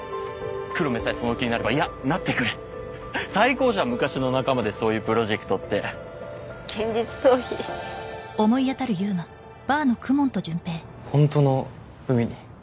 黒目さえその気になればいやなってくれ最高じゃん昔の仲間でそういうプロジェクトって現実逃避ホントの海に？